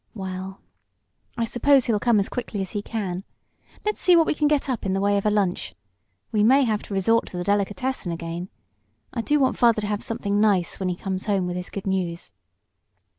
"Well, I suppose he'll come as quickly as he can. Let's see what we can get up in the way of a lunch. We may have to resort to the delicatessen again. I do want father to have something nice when he comes home with his good news."